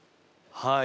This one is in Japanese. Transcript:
はい。